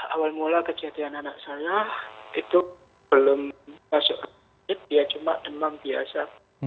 awal mula kejadian anak saya itu belum masuk rumah sakit dia cuma demam biasa